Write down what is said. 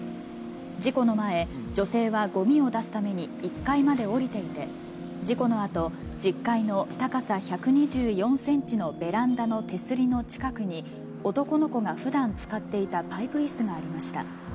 事故の前、女性はごみを出すために、１階まで下りていて、事故のあと、１０階の高さ１２４センチのベランダの手すりの近くに、男の子がふだん使っていたパイプいすがありました。